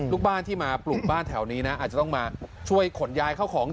ลูกบ้านที่มาปลูกบ้านแถวนี้นะอาจจะต้องมาช่วยขนย้ายเข้าของ